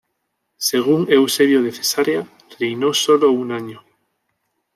Según Eusebio de Cesarea, reinó sólo un año.